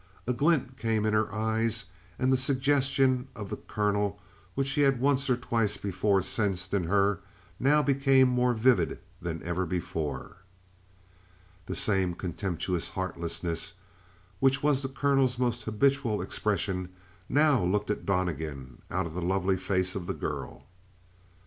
A glint came in her eyes, and the suggestion of the colonel which he had once or twice before sensed in her, now became more vivid than ever before. The same contemptuous heartlessness, which was the colonel's most habitual expression, now looked at Donnegan out of the lovely face of the girl.